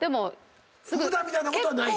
福田みたいなことはない？